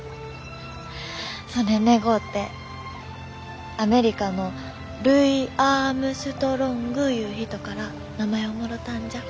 そねん願うてアメリカのルイ・アームストロングいう人から名前をもろたんじゃ。